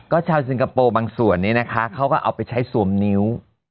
ก็ชาวสิงคโปร์บางส่วนนี้นะคะเขาก็เอาไปใช้สวมนิ้ว